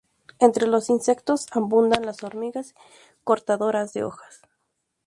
Entre los insectos, abundan las hormigas cortadoras de hojas.